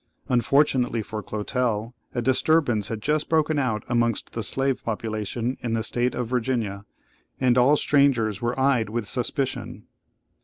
Unfortunately for Clotel, a disturbance had just broken out amongst the slave population in the state of Virginia, and all strangers were eyed with suspicion.